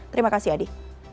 terima kasih adi